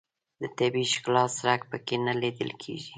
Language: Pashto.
د طبیعي ښکلا څرک په کې نه لیدل کېږي.